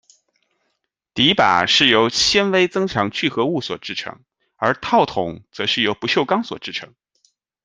底把是由纤维增强聚合物所制成，而套筒则是由不锈钢所制成。